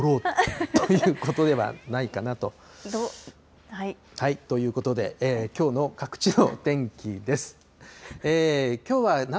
ドローということではないかなとはい。ということで、きょうの各地の天気です。